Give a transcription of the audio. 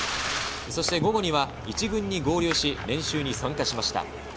そして午後には１軍に合流し、練習に参加しました。